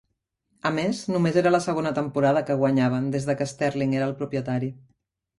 A més, només era la segona temporada que guanyaven des que Sterling era el propietari.